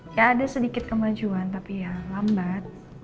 ya ada sedikit kemajuan tapi ya lambat